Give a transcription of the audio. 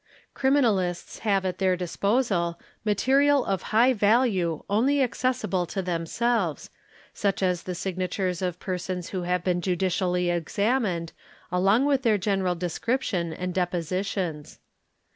ti Criminalists have at their disposal material of high value only acces be ible to themselves, such as the signatures of persons who have been | licially examined along with their general description and depositions.